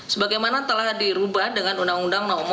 sebagaimana telah dirubah dengan undang undang yang berikutnya